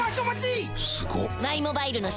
すごっ！